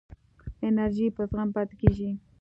انرژی په زغم پاتې کېږي.